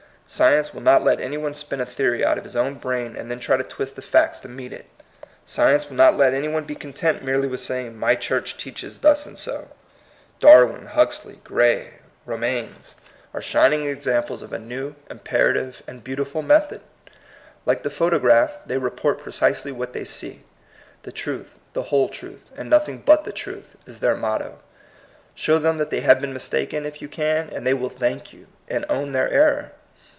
Science will not let any one spin a theory out of his own brain, and then try to twist the facts to meet it. Science will not let any one be content merely with saying, "My church teaches thus and so.*' Darwin, Huxley, Gray, Romanes, arq 66 THE COMING PEOPLE. shining examples of a new, imperative, and beautiful method. Like the photograph, they report precisely what they see. " The truth, the whole truth, and nothing but the truth," is their motto. Show them that they have been mistaken, if you can, and they will thank you, and own their error.